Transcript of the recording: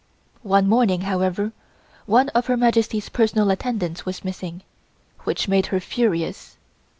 One morning, however, one of Her Majesty's personal attendants was missing, which made her furious.